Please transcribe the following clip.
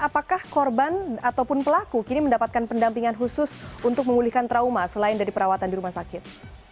apakah korban ataupun pelaku kini mendapatkan pendampingan khusus untuk memulihkan trauma selain dari perawatan di rumah sakit